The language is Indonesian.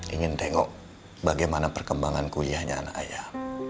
ingin tengok bagaimana perkembangan kuliahnya anak ayah